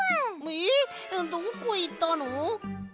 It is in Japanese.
えっどこいったの！？